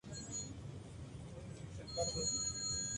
En Pedrera el tren hasta Antequera-Santa Ana.